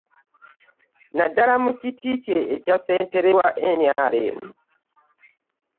Naddala mu kiti kye ekya ssentebe wa NRM.